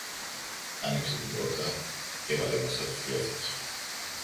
άνοιξε την πόρτα κι έβαλε μέσα τους κλέφτες.